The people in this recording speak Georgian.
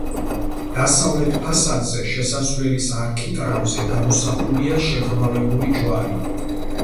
დასავლეთ ფასადზე შესასვლელის არქიტრავზე გამოსახულია შეღრმავებული ჯვარი.